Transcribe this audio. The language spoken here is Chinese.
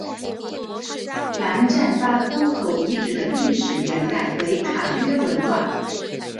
兰占巴沟口遗址的历史年代为卡约文化。